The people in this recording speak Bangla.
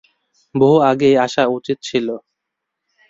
বহু আগেই আসা উচিৎ ছিল।